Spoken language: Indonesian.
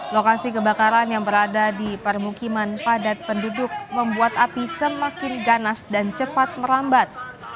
lokasi kebakaran yang berada di permukiman padat penduduk membuat api semakin ganas dan cepat merambat